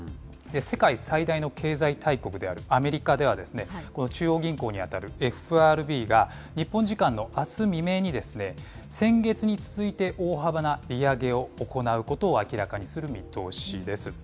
世界最大の経済大国であるアメリカでは、この中央銀行に当たるＦＲＢが、日本時間のあす未明に、先月に続いて大幅な利上げを行うことを明らかにする見通しです。